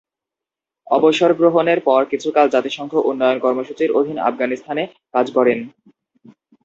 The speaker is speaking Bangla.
অবসরগ্রহণের পর কিছুকাল জাতিসংঘ উন্নয়ন কর্মসূচীর অধীন আফগানিস্তানে কাজ করেন।